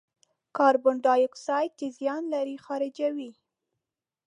کاربن دای اکساید چې زیان لري، خارجوي.